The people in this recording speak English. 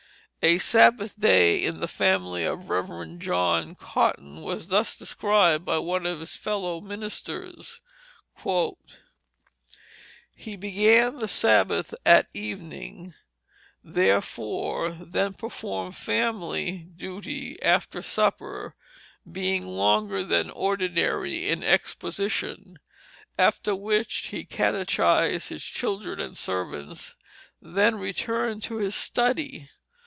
A Sabbath day in the family of Rev. John Cotton was thus described by one of his fellow ministers: "He began the Sabbath at evening, therefore then performed family duty after supper, being longer than ordinary in exposition. After which he catechized his children and servants, and then returned to his study.